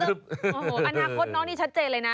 โอ้โหอนาคตน้องนี่ชัดเจนเลยนะ